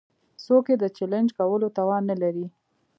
څوک يې د چلېنج کولو توان نه لري.